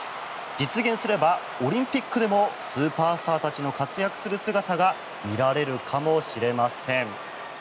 実現すればオリンピックでもスーパースターたちの活躍する姿が見られるかもしれません。